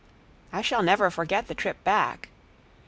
I shall never forget the trip back.